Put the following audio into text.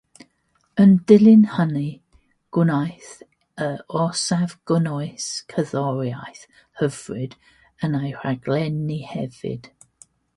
Yn dilyn hynny, gwnaeth yr orsaf gynnwys cerddoriaeth hyfryd yn ei rhaglenni hefyd.